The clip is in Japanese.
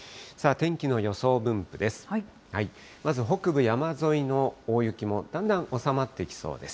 天気の予想分布です。